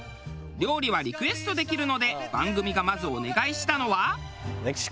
料理はリクエストできるので番組がまずお願いしたのは。